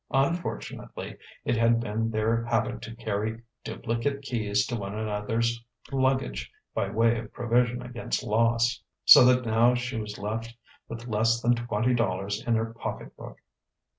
Unfortunately, it had been their habit to carry duplicate keys to one another's luggage by way of provision against loss. So that now she was left with less than twenty dollars in her pocket book.